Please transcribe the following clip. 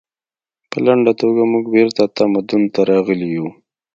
په لنډه توګه موږ بیرته تمدن ته راغلي یو